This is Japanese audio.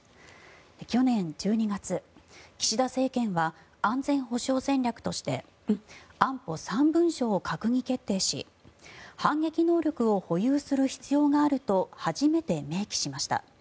去年１２月、岸田政権は安全保障戦略として安保３文書を閣議決定し反撃能力を保有する必要があると初めて明記しました。